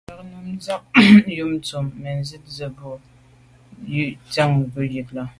Tà yag num ntsiag yub ntùm metsit ba’ ze bo lo’ a ndian nkut yi là.